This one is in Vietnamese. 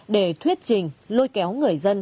để thuyết trình lôi kéo người dân